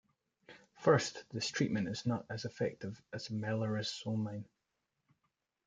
First, this treatment is not as effective as melarsomine.